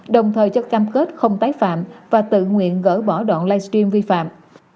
đồng thời cho cam kết không tái phạm và tự nguyện gỡ bỏ đoạn live stream vi phạm